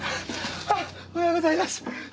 おはようございます。